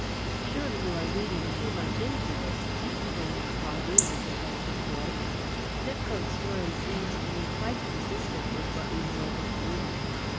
"Surely you are reading too much into this," exclaimed Caldew in a protesting voice. "Nepcote's story seems to me quite consistent with what we know of his movements.